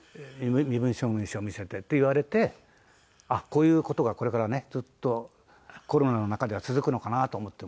「身分証明書見せて」って言われてこういう事がこれからねずっとコロナの中では続くのかな？と思ってます